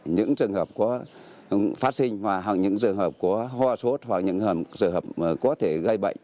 những trường hợp có phát sinh hoặc những trường hợp có ho sốt hoặc những trường hợp có thể gây bệnh